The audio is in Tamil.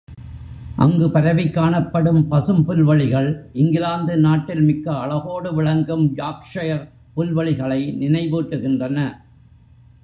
அங்குப் பரவிக் காணப்படும் பசும் புல்வெளிகள், இங்கிலாந்து நாட்டில் மிக்க அழகோடு விளங்கும், யார்க்ஷைர் புல்வெளிகளை நினைவூட்டுகின்றன.